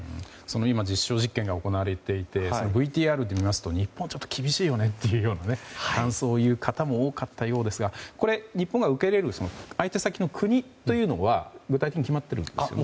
今、実証実験が行われていて、ＶＴＲを見ますと日本はちょっと厳しいよねという感想を言う方も多かったようですがこれ、日本が受け入れる相手先の国というのは具体的に決まってるんですか？